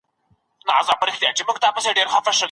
ذهني فشار د ورځې په پای کې ډېرېږي.